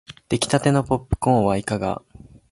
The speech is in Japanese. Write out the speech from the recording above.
できたてのポップコーンはいかが